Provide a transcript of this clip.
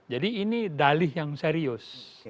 jadi ini dalih yang serius